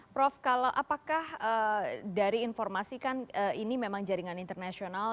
prof kalau apakah dari informasi kan ini memang jaringan internasional